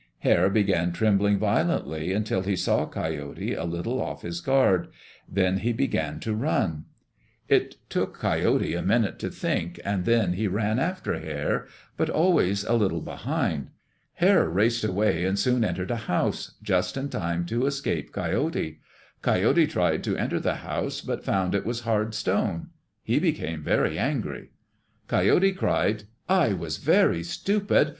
Hare began trembling violently until he saw Coyote a little off his guard, then he began to run. It took Coyote a minute to think and then he ran after Hare, but always a little behind. Hare raced away and soon entered a house, just in time to escape Coyote. Coyote tried to enter the house but found it was hard stone. He became very angry. Coyote cried, "I was very stupid!